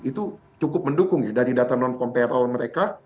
itu cukup mendukung ya dari data non compareal mereka